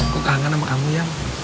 kok kangen sama kamu yang